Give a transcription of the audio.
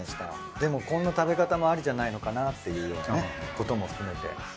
でもこんな食べ方もありじゃないのかなっていうようなねことも含めて。